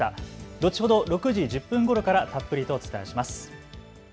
後ほど６時１０分ごろからたっぷりとお伝えします。